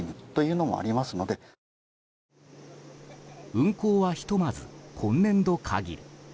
運行は、ひとまず今年度限り。